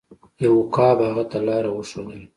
یو عقاب هغه ته لاره وښودله.